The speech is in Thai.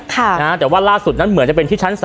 แต่ว่าล่าสุดนั้นเหมือนจะเป็นที่ชั้น๓